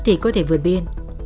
thùy có thể vượt biên